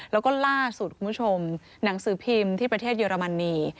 แล้วก็ล่าสุดคุณผู้ชมหนังสือพิมพ์ที่ประเทศเยอรมนี